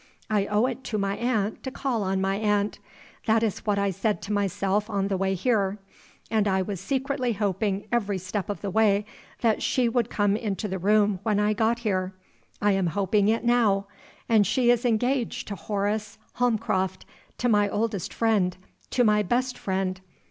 'I owe it to my aunt to call on my aunt.' That is what I said to myself on the way here; and I was secretly hoping every step of the way that she would come into the room when I got here. I am hoping it now. And she is engaged to Horace Holmcroft to my oldest friend, to my best friend!